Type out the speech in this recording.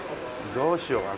どうしようかな。